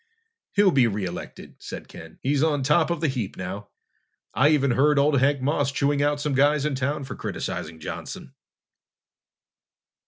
"He'll be re elected," said Ken. "He's on top of the heap now. I even heard old Hank Moss chewing out some guys in town for criticizing Johnson!"